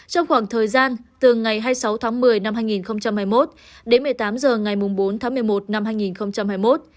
trong khoảng thời gian từ ngày hai mươi sáu tháng một mươi năm hai nghìn hai mươi một đến một mươi tám h ngày bốn tháng một mươi một năm hai nghìn hai mươi một